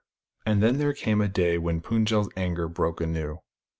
And then there came a day when Pund jel's anger broke anew.